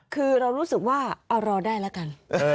คือเรารู้สึกว่าเอารอได้แล้วกัน